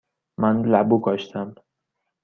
من لبو کاشتم.